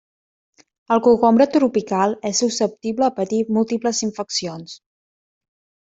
El cogombre tropical és susceptible a patir múltiples infeccions.